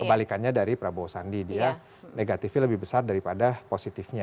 kebalikannya dari prabowo sandi dia negatifnya lebih besar daripada positifnya